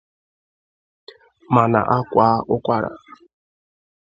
mana a kwaa ụkwara